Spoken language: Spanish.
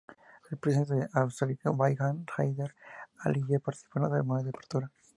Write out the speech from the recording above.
El Presidente de Azerbaiyán, Heydər Əliyev participó en la ceremonia de apertura.